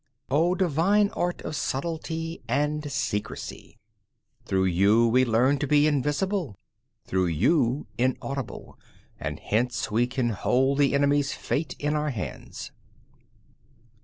9. O divine art of subtlety and secrecy! Through you we learn to be invisible, through you inaudible; and hence we can hold the enemy's fate in our hands.